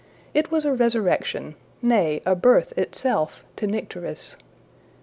It was a resurrection nay, a birth itself, to Nycteris.